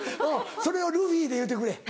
それをルフィで言うてくれ。